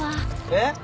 えっ？